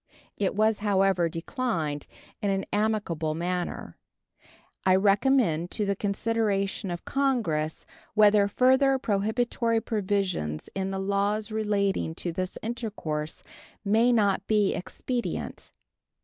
It was, however, declined in an amicable manner. I recommend to the consideration of Congress whether further prohibitory provisions in the laws relating to this intercourse may not be expedient.